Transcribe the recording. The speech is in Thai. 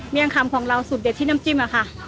เมียงคำของเราสูตรเด็ดที่น้ำจิ้มค่ะ